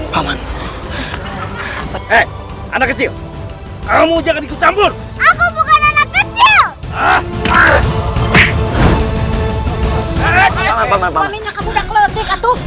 pak minah kamu udah keletik atuh